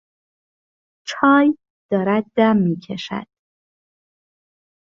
چای دارد دم میکشد.